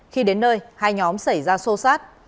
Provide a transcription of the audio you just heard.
khi đến nơi hai nhóm xảy ra sâu sát